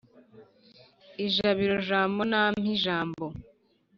ijabiro jambo nampa ijambo